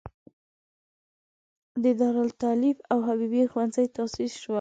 د دارالتالیف او حبیبې ښوونځی تاسیس شول.